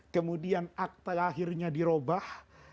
kemudian akta lahirnya dirobah